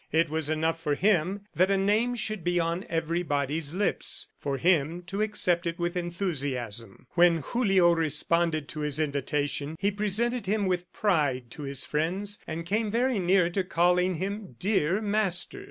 It was enough for him that a name should be on everybody's lips for him to accept it with enthusiasm. When Julio responded to his invitation, he presented him with pride to his friends, and came very near to calling him "dear master."